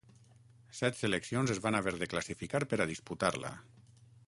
Set seleccions es van haver de classificar per a disputar-la.